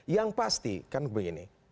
yang pasti kan begini